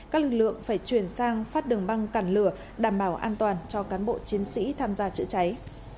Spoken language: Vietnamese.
các lực lượng phải chuyển sang phát đường băng cản lửa đảm bảo an toàn cho cán bộ chiến sĩ tham gia chữa cháy